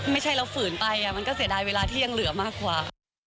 ไม่ใช่เราฝืนไปมันก็เสียดายเวลาที่ยังเหลือมากกว่า